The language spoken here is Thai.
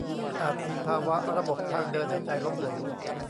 อาจมีภาวะระบบทางเดินหายใจล้มเหลว